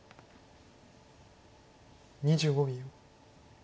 ２５秒。